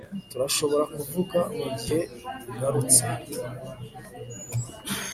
Turashobora kuvuga mugihe ugarutse